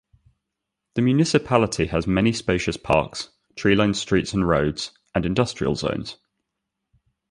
The municipality has many spacious parks, tree-lined streets and roads, and industrial zones.